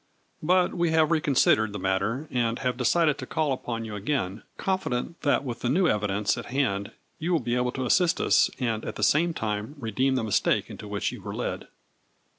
But we have recon sidered the matter and have decided to call up on you again, confident that with the new evidence at hand, you will be able to assist us, A FL UBR T IN DIAMONDS. 163 and at the same time redeem the mistake into which you were led."